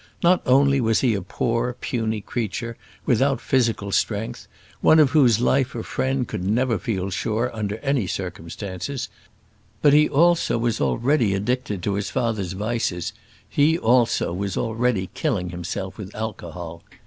Not only was he a poor, puny creature, without physical strength, one of whose life a friend could never feel sure under any circumstances, but he also was already addicted to his father's vices; he also was already killing himself with alcohol.